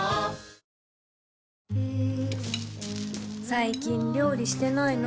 最近料理してないの？